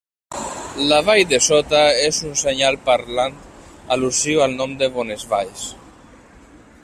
La vall de sota és un senyal parlant al·lusiu al nom de Bonesvalls.